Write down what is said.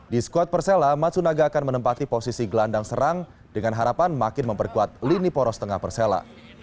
di squad persela matsunaga akan menempati posisi gelandang serang dengan harapan makin memperkuat lini poros tengah persela